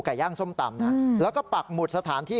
ย่างส้มตำนะแล้วก็ปักหมุดสถานที่